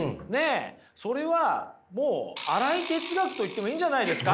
それはもう新井哲学と言ってもいいんじゃないですか？